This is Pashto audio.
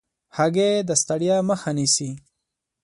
هګۍ د ستړیا مخه نیسي.